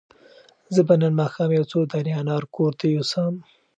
زه به نن ماښام یو څو دانې انار کور ته یوسم.